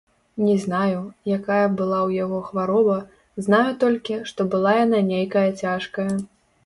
Не знаю, якая была ў яго хвароба, знаю толькі, што была яна нейкая цяжкая.